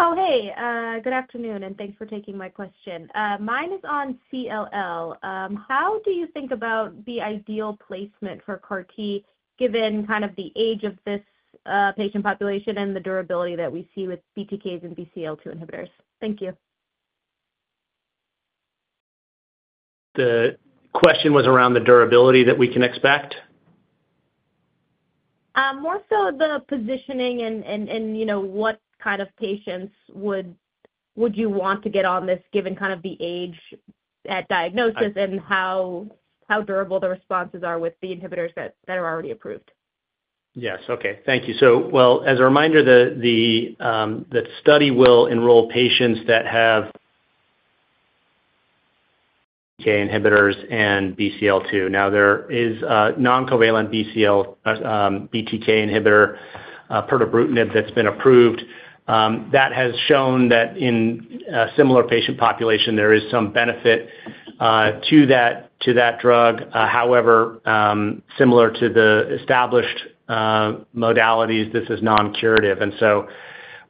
Oh, hey, good afternoon, and thanks for taking my question. Mine is on CLL. How do you think about the ideal placement for CAR T, given kind of the age of this patient population and the durability that we see with BTKs and BCL-2 inhibitors? Thank you. The question was around the durability that we can expect? More so the positioning and, you know, what kind of patients would you want to get on this, given kind of the age at diagnosis and how durable the responses are with the inhibitors that are already approved? Yes. Okay. Thank you. So well, as a reminder, the study will enroll patients that have BTK inhibitors and BCL-2. Now, there is a non-covalent BCL BTK inhibitor, pirtobrutinib, that's been approved. That has shown that in a similar patient population, there is some benefit to that drug. However, similar to the established modalities, this is non-curative. And so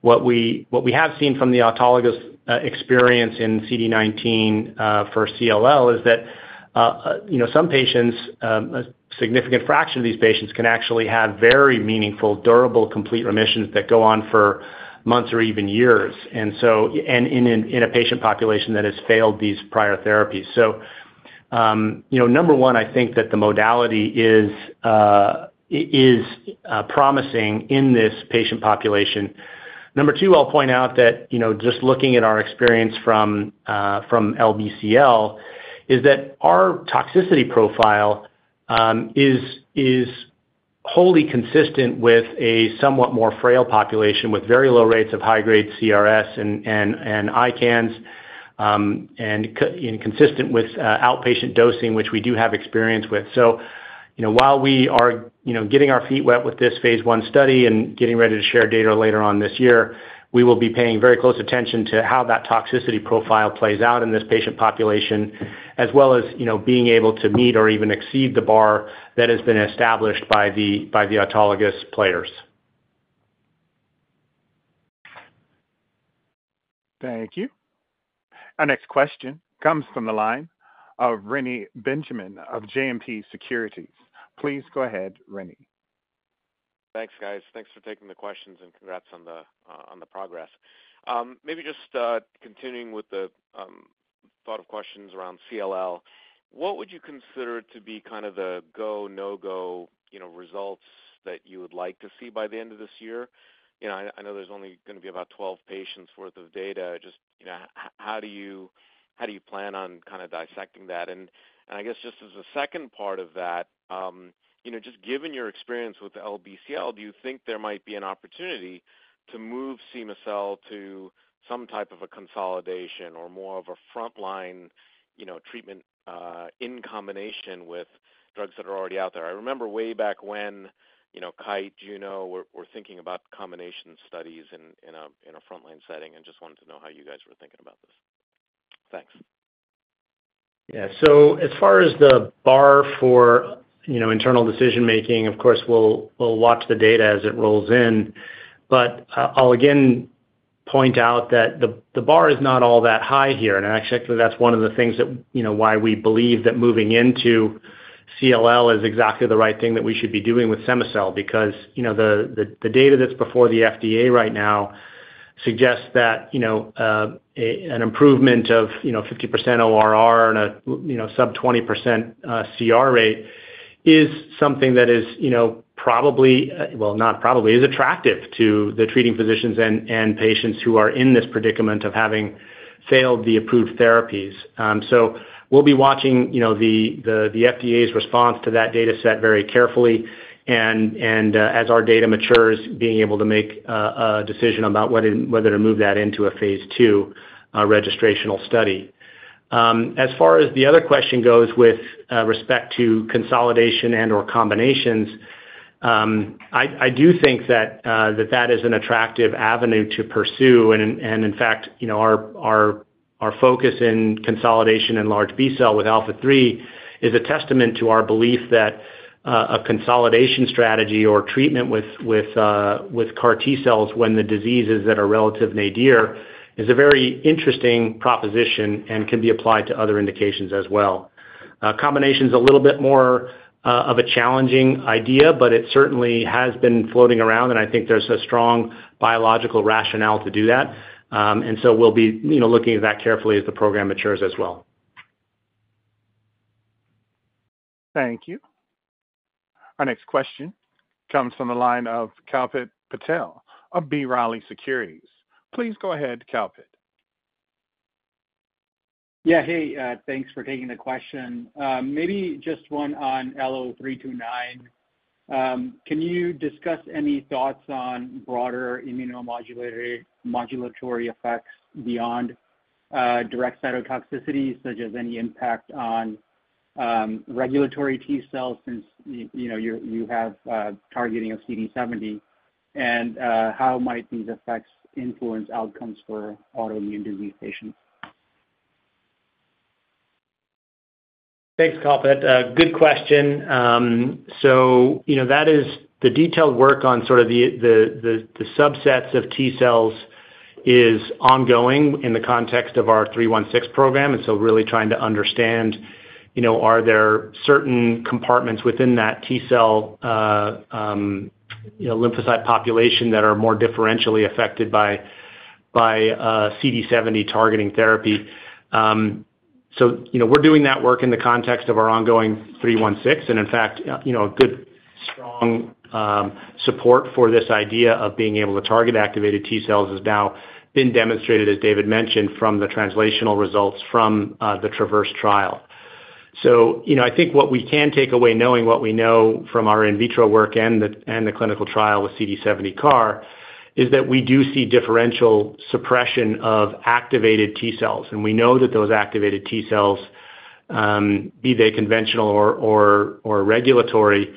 what we have seen from the autologous experience in CD19 for CLL is that, you know, some patients, a significant fraction of these patients can actually have very meaningful, durable, complete remissions that go on for months or even years, and so, and in a patient population that has failed these prior therapies. So-... You know, number one, I think that the modality is promising in this patient population. Number two, I'll point out that, you know, just looking at our experience from LBCL, is that our toxicity profile is wholly consistent with a somewhat more frail population, with very low rates of high-grade CRS and ICANS, and consistent with outpatient dosing, which we do have experience with. So, you know, while we are, you know, getting our feet wet with this phase I study and getting ready to share data later on this year, we will be paying very close attention to how that toxicity profile plays out in this patient population, as well as, you know, being able to meet or even exceed the bar that has been established by the autologous players. Thank you. Our next question comes from the line of Reni Benjamin of JMP Securities. Please go ahead, Reni. Thanks, guys. Thanks for taking the questions, and congrats on the, on the progress. Maybe just, continuing with the, thought of questions around CLL. What would you consider to be kind of the go, no-go, you know, results that you would like to see by the end of this year? You know, I, I know there's only gonna be about 12 patients worth of data. Just, you know, how do you, how do you plan on kind of dissecting that? And, and I guess just as a second part of that, you know, just given your experience with LBCL, do you think there might be an opportunity to move cema-cel to some type of a consolidation or more of a frontline, you know, treatment, in combination with drugs that are already out there? I remember way back when, you know, Kite, Juno, were thinking about combination studies in a frontline setting, and just wanted to know how you guys were thinking about this. Thanks. Yeah. So as far as the bar for, you know, internal decision-making, of course, we'll watch the data as it rolls in. But I'll again point out that the bar is not all that high here. And actually, that's one of the things that, you know, why we believe that moving into CLL is exactly the right thing that we should be doing with cema-cel. Because, you know, the data that's before the FDA right now suggests that, you know, an improvement of, you know, 50% ORR and a, you know, sub 20% CR rate, is something that is, you know, probably, well, not probably, is attractive to the treating physicians and patients who are in this predicament of having failed the approved therapies. So we'll be watching, you know, the FDA's response to that data set very carefully, and as our data matures, being able to make a decision about whether to move that into a phase II registrational study. As far as the other question goes with respect to consolidation and/or combinations, I do think that that that is an attractive avenue to pursue, and in fact, you know, our focus in consolidation and large B-cell with ALPHA3 is a testament to our belief that a consolidation strategy or treatment with CAR T-cells when the disease is at a relative nadir is a very interesting proposition and can be applied to other indications as well. Combination's a little bit more of a challenging idea, but it certainly has been floating around, and I think there's a strong biological rationale to do that. And so we'll be, you know, looking at that carefully as the program matures as well. Thank you. Our next question comes from the line of Kalpit Patel of B. Riley Securities. Please go ahead, Kalpit. Yeah, hey, thanks for taking the question. Maybe just one on ALLO-329. Can you discuss any thoughts on broader immunomodulatory effects beyond direct cytotoxicity, such as any impact on regulatory T cells, since you know you have targeting of CD70? And how might these effects influence outcomes for autoimmune disease patients? Thanks, Kalpit. Good question. So you know, that is the detailed work on sort of the subsets of T-cells is ongoing in the context of our three-one-six program, and so really trying to understand, you know, are there certain compartments within that T-cell, you know, lymphocyte population that are more differentially affected by, by, CD70 targeting therapy. So, you know, we're doing that work in the context of our ongoing three-one-six, and in fact, you know, a good strong support for this idea of being able to target activated T-cells has now been demonstrated, as David mentioned, from the translational results from the TRAVERSE trial. So, you know, I think what we can take away, knowing what we know from our in vitro work and the clinical trial with CD70 CAR, is that we do see differential suppression of activated T-cells. And we know that those activated T-cells, be they conventional or regulatory,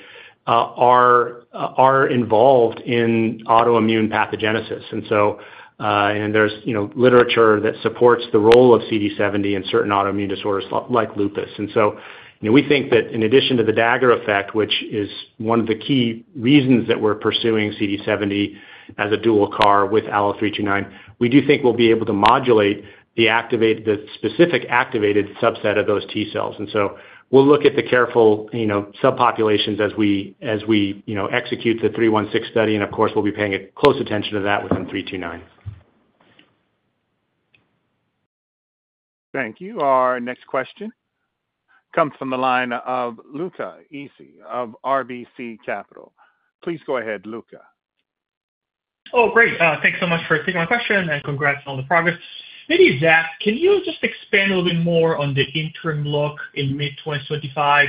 are involved in autoimmune pathogenesis. And so, there's, you know, literature that supports the role of CD70 in certain autoimmune disorders, like lupus. And so, you know, we think that in addition to the Dagger effect, which is one of the key reasons that we're pursuing CD70 as a dual CAR with ALLO-329, we do think we'll be able to modulate the specific activated subset of those T-cells. And so we'll look at the careful, you know, subpopulations as we execute the ALLO-316 study, and of course, we'll be paying a close attention to that within ALLO-329. Thank you. Our next question comes from the line of Luca Issi of RBC Capital. Please go ahead, Luca. Oh, great. Thanks so much for taking my question, and congrats on all the progress. Maybe, Zach, can you just expand a little bit more on the interim look in mid-2025?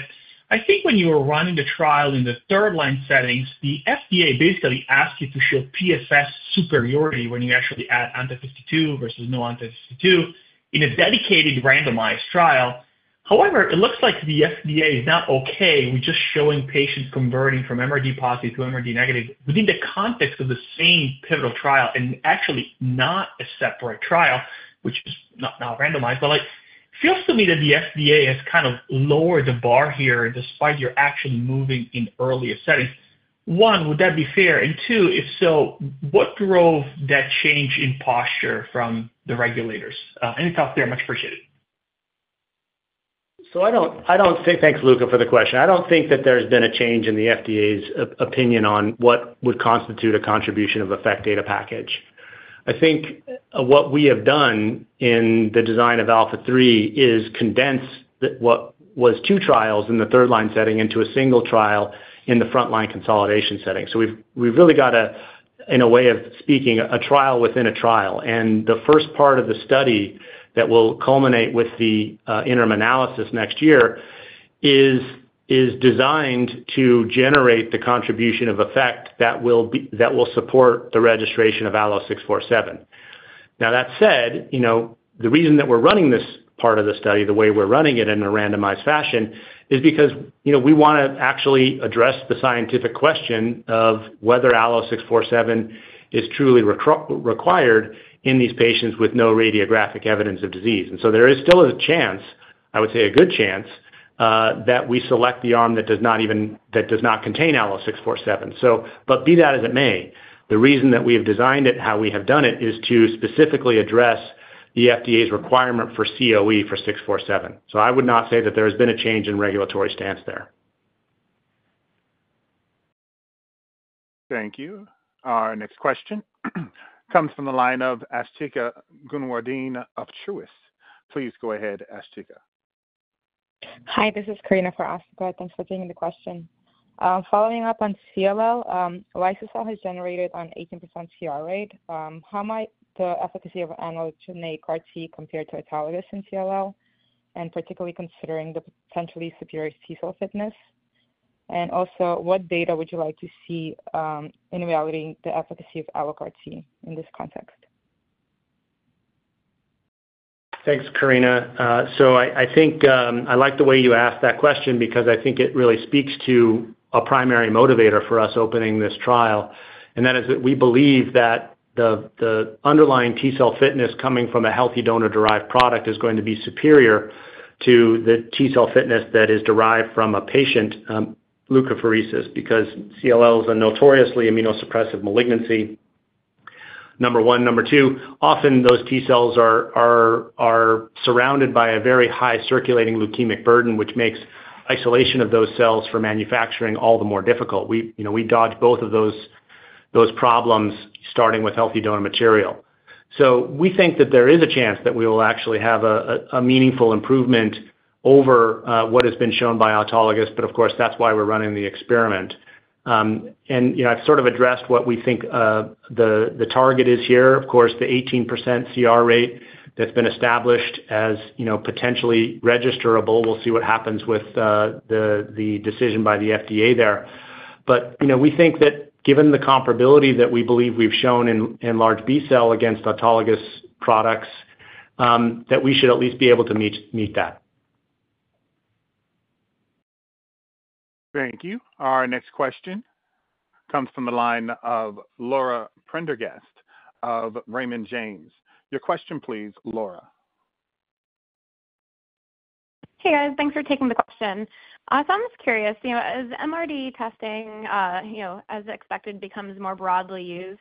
I think when you were running the trial in the third line settings, the FDA basically asked you to show PFS superiority when you actually add anti-CD52 versus no anti-CD52 in a dedicated randomized trial. However, it looks like the FDA is not okay with just showing patients converting from MRD positive to MRD negative within the context of the same pivotal trial and actually not a separate trial, which is not randomized. Like, it feels to me that the FDA has kind of lowered the bar here despite your actually moving in earlier settings. 1, would that be fair? And 2, if so, what drove that change in posture from the regulators? Any thoughts there? Much appreciated. So I don't, I don't think. Thanks, Luca, for the question. I don't think that there's been a change in the FDA's opinion on what would constitute a contribution of effect data package. I think what we have done in the design of ALPHA3 is condense the what was two trials in the third line setting into a single trial in the frontline consolidation setting. So we've really got a, in a way of speaking, a trial within a trial. And the first part of the study that will culminate with the interim analysis next year is designed to generate the contribution of effect that will support the registration of ALLO-647. Now, that said, you know, the reason that we're running this part of the study, the way we're running it in a randomized fashion, is because, you know, we wanna actually address the scientific question of whether ALLO-647 is truly required in these patients with no radiographic evidence of disease. And so there is still a chance, I would say a good chance, that we select the arm that does not contain ALLO-647. So, but be that as it may, the reason that we have designed it, how we have done it, is to specifically address the FDA's requirement for ALLO-647. So I would not say that there has been a change in regulatory stance there. Thank you. Our next question comes from the line of Asthika Goonewardene of Truist. Please go ahead, Asthika. Hi, this is Karina for Asthika. Thanks for taking the question. Following up on CLL, liso-cel has generated an 18% CR rate. How might the efficacy of Allogene CAR T compare to autologous in CLL, and particularly considering the potentially superior T cell fitness? And also, what data would you like to see in evaluating the efficacy of Allogene CAR T in this context? Thanks, Karina. So I think I like the way you asked that question because I think it really speaks to a primary motivator for us opening this trial, and that is that we believe that the underlying T cell fitness coming from a healthy donor-derived product is going to be superior to the T cell fitness that is derived from a patient leukapheresis, because CLL is a notoriously immunosuppressive malignancy, number one. Number two, often those T cells are surrounded by a very high circulating leukemic burden, which makes isolation of those cells for manufacturing all the more difficult. We, you know, we dodge both of those problems, starting with healthy donor material. So we think that there is a chance that we will actually have a meaningful improvement over what has been shown by autologous, but of course, that's why we're running the experiment. And, you know, I've sort of addressed what we think the target is here. Of course, the 18% CR rate that's been established as, you know, potentially registerable. We'll see what happens with the decision by the FDA there. But, you know, we think that given the comparability that we believe we've shown in large B-cell against autologous products, that we should at least be able to meet that. Thank you. Our next question comes from the line of Laura Prendergast of Raymond James. Your question, please, Laura. Hey, guys. Thanks for taking the question. So I'm just curious, you know, as MRD testing, you know, as expected, becomes more broadly used,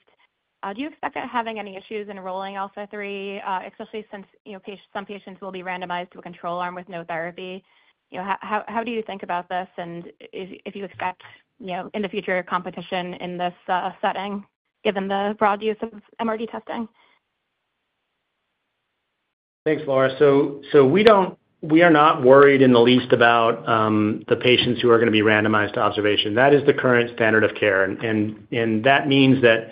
do you expect it having any issues enrolling ALPHA3, especially since, you know, some patients will be randomized to a control arm with no therapy? You know, how do you think about this, and if you expect, you know, in the future, competition in this setting, given the broad use of MRD testing? Thanks, Laura. So we are not worried in the least about the patients who are gonna be randomized to observation. That is the current standard of care, and that means that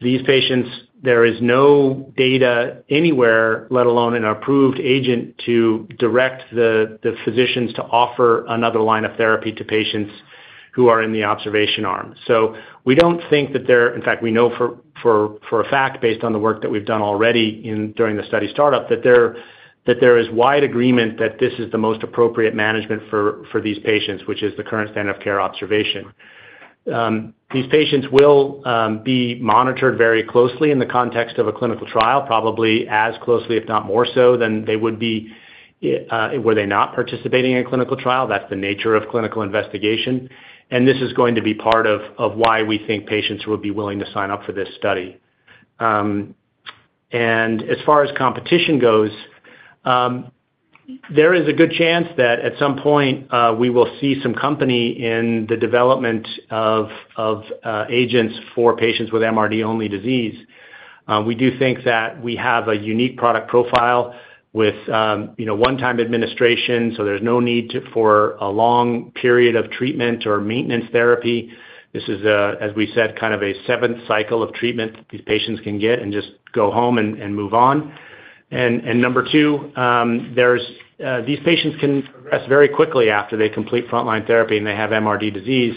these patients, there is no data anywhere, let alone an approved agent, to direct the physicians to offer another line of therapy to patients who are in the observation arm. So we don't think that there... In fact, we know for a fact, based on the work that we've done already during the study startup, that there is wide agreement that this is the most appropriate management for these patients, which is the current standard of care observation. These patients will be monitored very closely in the context of a clinical trial, probably as closely, if not more so, than they would be were they not participating in a clinical trial. That's the nature of clinical investigation, and this is going to be part of why we think patients will be willing to sign up for this study. As far as competition goes, there is a good chance that at some point we will see some company in the development of agents for patients with MRD only disease. We do think that we have a unique product profile with you know, one-time administration, so there's no need for a long period of treatment or maintenance therapy. This is, as we said, kind of a 7th cycle of treatment these patients can get and just go home and move on. And number two, there's these patients can progress very quickly after they complete frontline therapy, and they have MRD disease.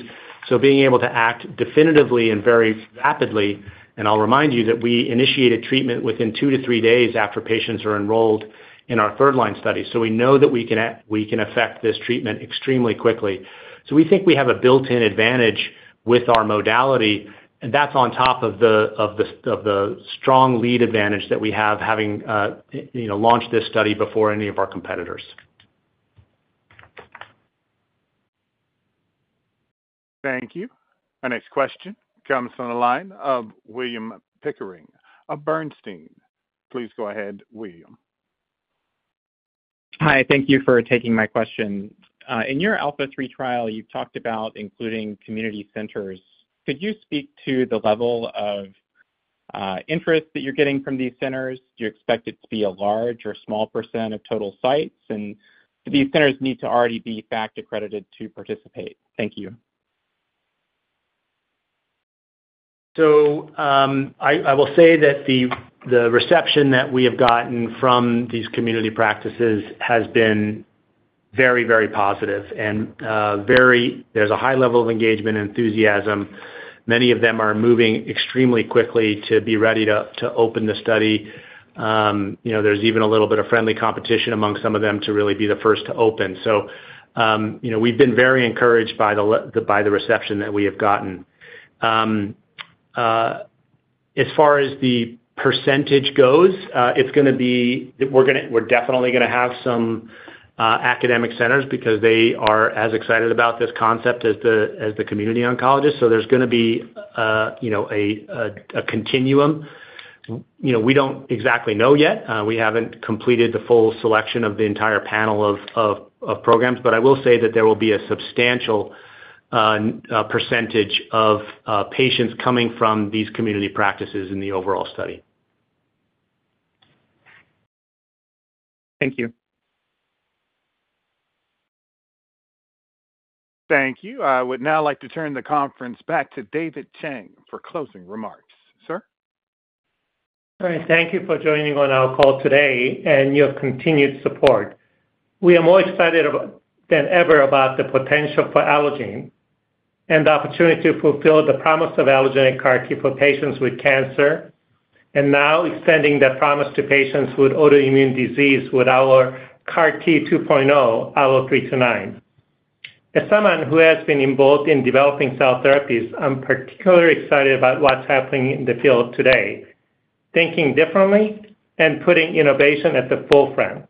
So being able to act definitively and very rapidly, and I'll remind you that we initiated treatment within 2 to 3 days after patients are enrolled in our third-line study. So we know that we can we can affect this treatment extremely quickly. So we think we have a built-in advantage with our modality, and that's on top of the strong lead advantage that we have, having you know, launched this study before any of our competitors. Thank you. Our next question comes from the line of William Pickering of Bernstein. Please go ahead, William. Hi, thank you for taking my question. In your ALPHA3 trial, you've talked about including community centers. Could you speak to the level of interest that you're getting from these centers? Do you expect it to be a large or small percent of total sites? And do these centers need to already be FACT accredited to participate? Thank you. So, I will say that the reception that we have gotten from these community practices has been very, very positive and very. There's a high level of engagement and enthusiasm. Many of them are moving extremely quickly to be ready to open the study. You know, there's even a little bit of friendly competition among some of them to really be the first to open. So, you know, we've been very encouraged by the reception that we have gotten. As far as the percentage goes, it's gonna be... We're definitely gonna have some academic centers because they are as excited about this concept as the community oncologist. So there's gonna be, you know, a continuum. You know, we don't exactly know yet. We haven't completed the full selection of the entire panel of programs. But I will say that there will be a substantial percentage of patients coming from these community practices in the overall study. Thank you. Thank you. I would now like to turn the conference back to David Chang for closing remarks. Sir? All right, thank you for joining on our call today and your continued support. We are more excited about than ever about the potential for Allogene and the opportunity to fulfill the promise of Allogene CAR T for patients with cancer, and now extending that promise to patients with autoimmune disease with our CAR T 2.0, ALLO-329. As someone who has been involved in developing cell therapies, I'm particularly excited about what's happening in the field today, thinking differently and putting innovation at the forefront.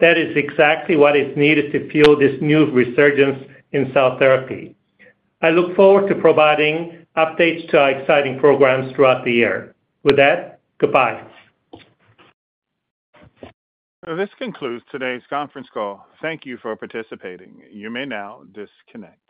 That is exactly what is needed to fuel this new resurgence in cell therapy. I look forward to providing updates to our exciting programs throughout the year. With that, goodbye. This concludes today's conference call. Thank you for participating. You may now disconnect.